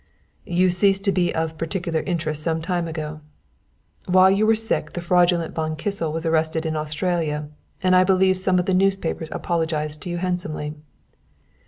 "You ceased to be of particular interest some time ago. While you were sick the fraudulent Von Kissel was arrested in Australia, and I believe some of the newspapers apologized to you handsomely."